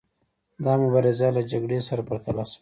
دا مبارزه له جګړې سره پرتله شوه.